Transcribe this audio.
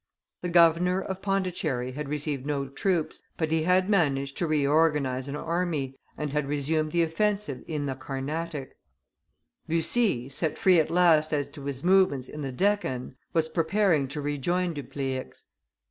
The Governor of Pondicherry had received no troops, but he had managed to reorganize an army, and had resumed the offensive in the Carnatic; Bussy, set free at last as to his movements in the Deccan, was preparing to rejoin Dupleix.